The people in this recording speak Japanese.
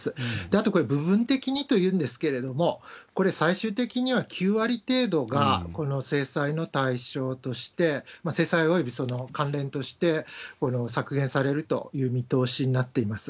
あと、これ、部分的にというんですけれども、これ、最終的には９割程度がこの制裁の対象として、制裁及びその関連として削減されるという見通しになっています。